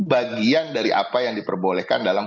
bagian dari apa yang diperbolehkan dalam